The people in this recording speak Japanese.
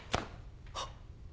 はっ！